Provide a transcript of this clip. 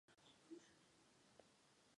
Jsou na sobě závislé.